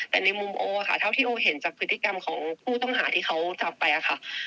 แต่ในมุมโอค่ะเท่าที่โอเห็นจากพฤติกรรมของผู้ต้องหาที่เขาจับไปค่ะ